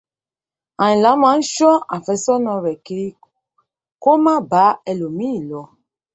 Àyìnlá máa ń ṣó àfẹ́ṣọ́nà rẹ̀ kiri ko má bá ẹlòmíì lọ.